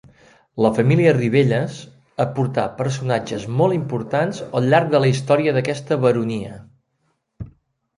La família Ribelles aportà personatges molt importants al llarg de la història d'aquesta baronia.